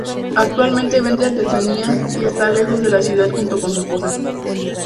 Actualmente vende artesanías y está lejos de la ciudad junto con su esposa.